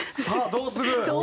どうする？